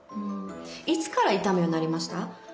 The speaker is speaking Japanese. いつから痛むようになりました？